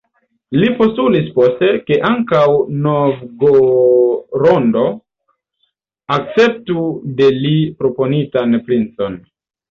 Li postulis poste, ke ankaŭ Novgorodo akceptu de li proponitan princon.